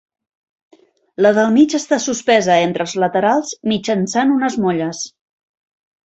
La del mig està suspesa entre els laterals mitjançant unes molles.